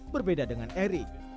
berbeda dengan erick